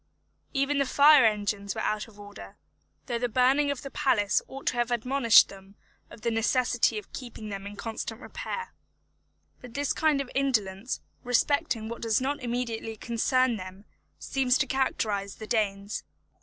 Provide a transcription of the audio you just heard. Even the fire engines were out of order, though the burning of the palace ought to have admonished them of the necessity of keeping them in constant repair. But this kind of indolence respecting what does not immediately concern them seems to characterise the Danes.